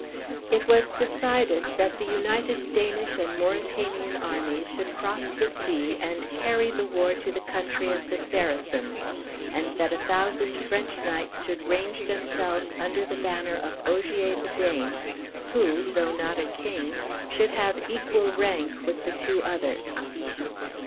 It was decided that the united Danish and Mauritanian armies should cross the sea and carry the war to the country of the Saracens, and that a thousand French knights should range themselves under the banner of Ogier, the Dane, who, though not a king, should have equal rank with the two others.